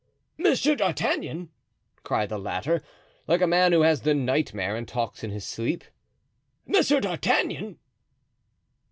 "Monsieur d'Artagnan!" cried the latter, like a man who has the nightmare and talks in his sleep, "Monsieur d'Artagnan!"